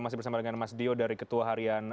masih bersama dengan mas dio dari ketua harian